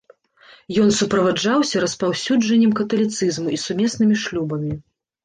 Ён суправаджаўся распаўсюджаннем каталіцызму і сумеснымі шлюбамі.